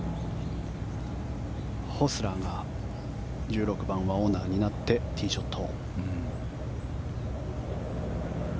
ホスラーが１６番はオナーになってティーショット。